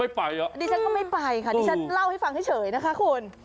อันนี้ฉันก็ไม่ไปค่ะอันนี้ฉันเล่าให้ฟังเฉยนะคะคุณ